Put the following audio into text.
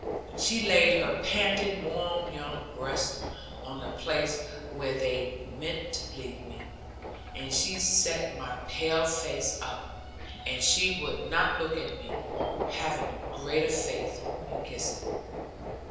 She laid her panting warm young breast on the place where they meant to bleed me, and she set my pale face up; and she would not look at me, having greater faith in kissing.